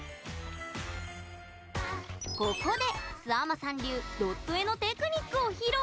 ここで、すあまさん流ドット絵のテクニックを披露。